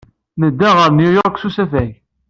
Nedda ɣer New York s usafag.